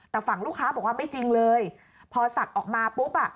แต่ฝั่งลูกค้าบอกว่าไม่จริงเลยพอสักออกมาปุ๊บอ่ะ